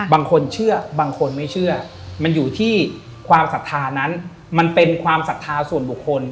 บางคนเชื่อบางคนไม่เชื่อมันอยู่ที่ความศรัทธานั้นมันเป็นความศรัทธาส่วนบุคคล